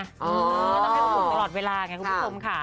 ต้องให้อบอุ่นตลอดเวลาไงคุณผู้ชมค่ะ